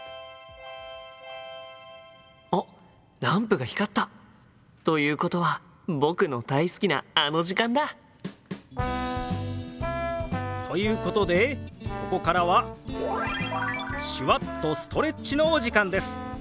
心の声あっランプが光った！ということは僕の大好きなあの時間だ。ということでここからは手話っとストレッチのお時間です！